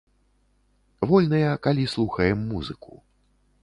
Вольныя, калі слухаем музыку.